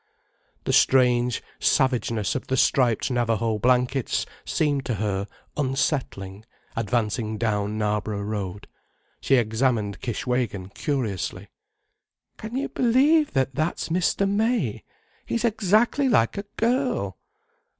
The strange savageness of the striped Navajo blankets seemed to her unsettling, advancing down Knarborough Road: she examined Kishwégin curiously. "Can you believe that that's Mr. May—he's exactly like a girl.